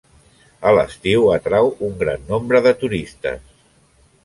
A l'estiu atrau un gran nombre de turistes.